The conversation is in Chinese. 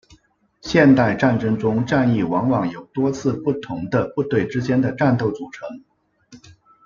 现代战争中的战役往往由多次不同的部队之间的战斗组成。